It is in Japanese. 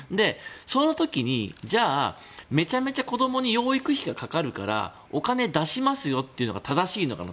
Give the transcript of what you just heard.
その時にじゃあ、めちゃめちゃ子供に養育費がかかるからお金出しますよっていうのが正しいのかな。